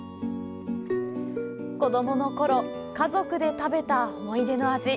子供のころ、家族で食べた思い出の味。